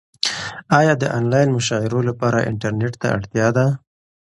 ایا د انلاین مشاعرو لپاره انټرنیټ ته اړتیا ده؟